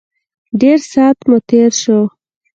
ډېر سات مو تېر شو.